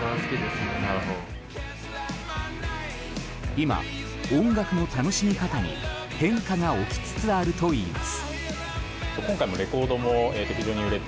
今、音楽の楽しみ方に変化が起きつつあるといいます。